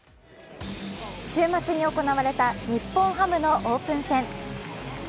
週末に行われた日本ハムのオープン戦。